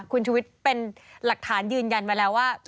คุณชุวิตเป็นหลักฐานยืนยันมาแล้วว่า